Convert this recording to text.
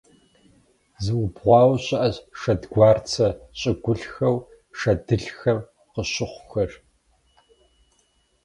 Зыубгъуауэ щыӀэщ шэдгуарцэ щӀыгулъхэу шэдылъэхэм къыщыхъухэр.